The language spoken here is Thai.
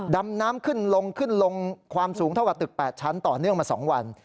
ดำน้ำขึ้นลงขึ้นลงความสูงเท่ากับตึก๘ชั้นต่อเนื่องมา๒วัน